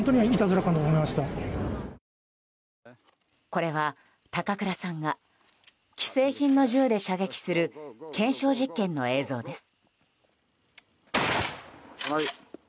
これは高倉さんが既製品の銃で射撃する検証実験の映像です。